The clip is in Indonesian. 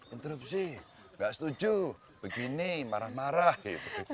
interupsi nggak setuju begini marah marah gitu